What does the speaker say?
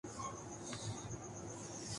اس کا کوئی جواز ہے؟